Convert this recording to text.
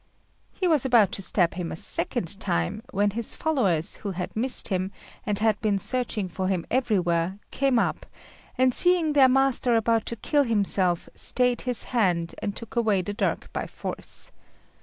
He was about to stab himself a second time, when his followers, who had missed him, and had been searching for him everywhere, came up, and seeing their master about to kill himself, stayed his hand, and took away the dirk by force.